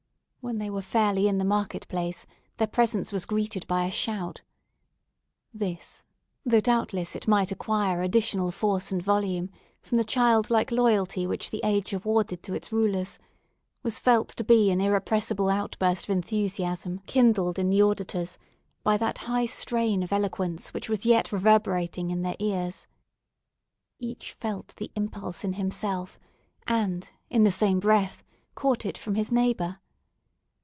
When they were fairly in the market place, their presence was greeted by a shout. This—though doubtless it might acquire additional force and volume from the child like loyalty which the age awarded to its rulers—was felt to be an irrepressible outburst of enthusiasm kindled in the auditors by that high strain of eloquence which was yet reverberating in their ears. Each felt the impulse in himself, and in the same breath, caught it from his neighbour.